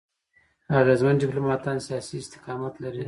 اغېزمن ډيپلوماټان سیاسي استقامت لري.